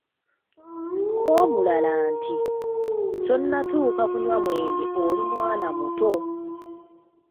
Ko omulala nti, "tonnatuuka kunywa mwenge oli mwana muto."